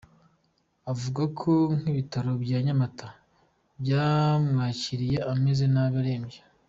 Avuga ko nk’ibitaro bya Nyamata bamwakiriye ameze nabi arembye.